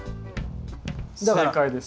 正解です。